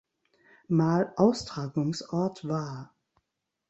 Mal Austragungsort war.